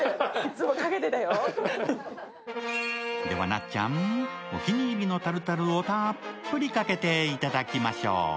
ではなっちゃん、お気に入りのタルタルをたっぷりかけていただきましょう。